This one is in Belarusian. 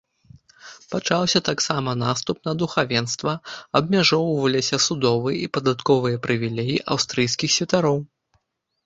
Пачаўся таксама наступ на духавенства, абмяжоўваліся судовыя і падатковыя прывілеі аўстрыйскіх святароў.